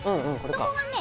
そこがね